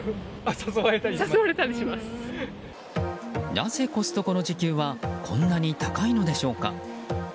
なぜ、コストコの時給はこんなに高いのでしょうか。